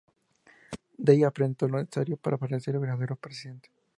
Dave aprende todo lo necesario para parecer el verdadero presidente.